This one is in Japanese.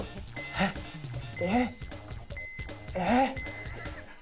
えっえっえ！